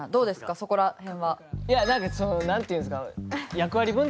そこら辺は。なんていうんですか